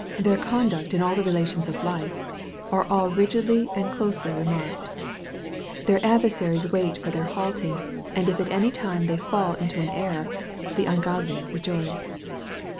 Meyer's Commentary. 1631. VARK ; CHAP. III. 45 duct in all the relations of life, are all rigiily and closely remarked. Their adversaries wait for their halting, and if at any time they fall into an error, the ungodly rejoice.